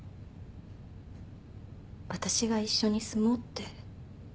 私が一緒に住もうって。